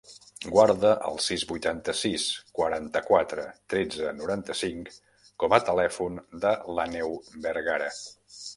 Guarda el sis, vuitanta-sis, quaranta-quatre, tretze, noranta-cinc com a telèfon de l'Àneu Vergara.